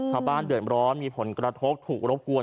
ชาวบ้านเดือดร้อนมีผลกระทบถูกรบกวน